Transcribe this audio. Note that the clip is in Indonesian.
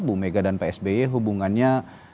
bu mega dan psb hubungannya